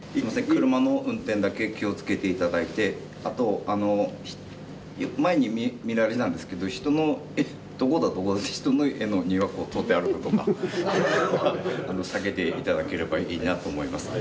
車の運転だけ気をつけていただいてあと前に見られたんですけど人の「どこだどこだ」って人の家の庭通って歩くとか避けていただければいいなと思います。